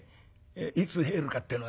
いつ入るかってのがね。